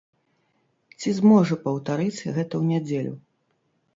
Ці зможа паўтарыць гэта ў нядзелю?